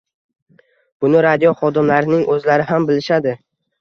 Buni radio xodimlarining o‘zlari ham bilishadi.